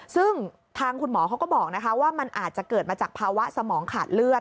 ซึ่งทางคุณหมอเขาก็บอกว่ามันอาจจะเกิดมาจากภาวะสมองขาดเลือด